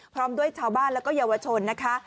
พร้อมด้วยชาวบ้านแล้วก็เยาวชนนะคะ